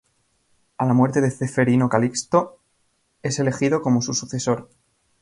A la muerte de Ceferino, Calixto es elegido como su sucesor.